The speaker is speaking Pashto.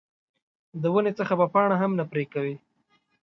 د ونې څخه به پاڼه هم نه پرې کوې.